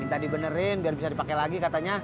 minta dibenerin biar bisa dipake lagi katanya